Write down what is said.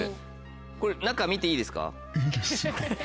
これ中見ていいですか？